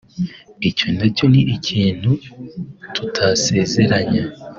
icyo nacyo ni ikintu tutasezeranya